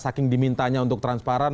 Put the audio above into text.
saking dimintanya untuk transparan